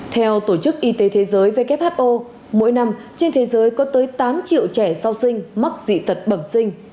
theo tổ chức y tế thế giới who mỗi năm trên thế giới có tới tám triệu trẻ sơ sinh mắc dị tật bẩm sinh